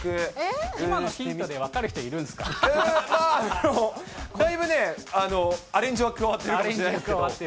このヒントで分かる人いるんまあ、だいぶね、アレンジはアレンジは加わってる。